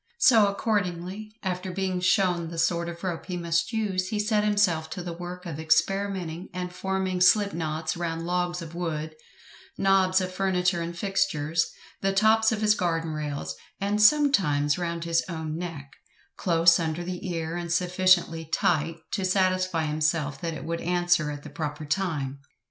So, accordingly, after being shown the sort of rope he must use, he set himself to the work of experimenting and forming slip knots round logs of wood, knobs of furniture and fixtures, the tops of his garden rails, and sometimes round his own neck, close under the ear, and sufficiently tight to satisfy himself that it would answer at the proper time.